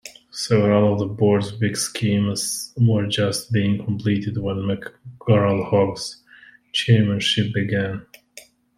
Several of the Board's big schemes were just being completed when McGarel-Hogg's Chairmanship began.